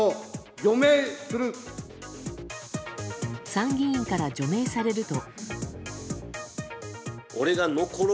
参議院から除名されると。